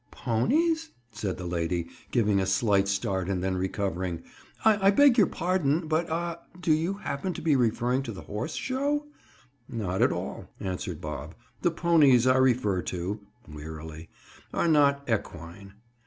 '" "'Ponies,'" said the lady giving a slight start and then recovering. "I beg your pardon, but—ah—do you happen to be referring to the horse show?" "Not at all," answered Bob. "The ponies I refer to," wearily, "are not equine."